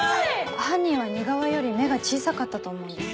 犯人は似顔絵より目が小さかったと思うんです。